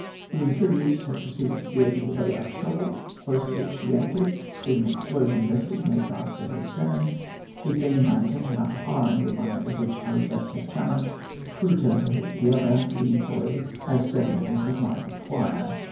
The Impérieuse had proceeded to the edge of the Boyart Shoal, close to which she anchored with an explosion vessel made fast to her stern, it being my intention, after firing the one of which I was about to take charge, to return to her for the other, to be employed as circumstances might require.